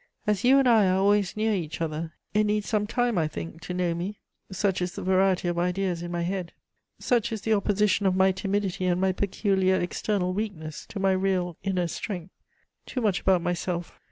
As you and I are always near each other, it needs some time, I think, to know me, such is the variety of ideas in my head! Such is the opposition of my timidity and my peculiar external weakness to my real inner strength! Too much about myself.